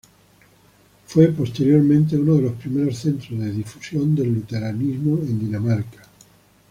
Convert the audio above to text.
Fue posteriormente uno de los primeros centros de difusión del luteranismo en Dinamarca.